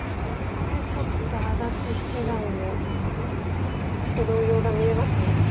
これちょっと安達七段もちょっと動揺が見えますね。